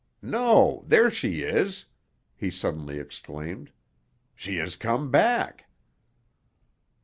No, there she is!" he suddenly exclaimed. "She has come back!"